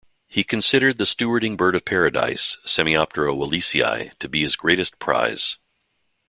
He considered the standardwing bird of paradise, "Semioptera wallacei", to be his greatest prize.